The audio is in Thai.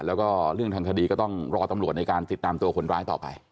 แล้วก็เรื่องทางคดีก็ต้องรอตำรวจในการติดตามตัวคนร้ายต่อไป